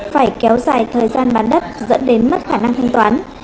phải kéo dài thời gian bán đất dẫn đến mất khả năng thanh toán